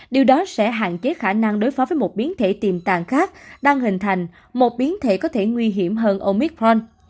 điều đó sẽ hạn chế khả năng đối phó với một biến thể tiềm tàng khác đang hình thành một biến thể có thể nguy hiểm hơn omitforn